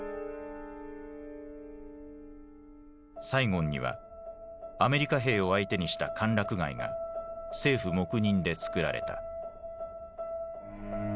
サイゴンにはアメリカ兵を相手にした歓楽街が政府黙認でつくられた。